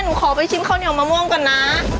ขอไปชิมข้าวเหนียวมะม่วงก่อนนะ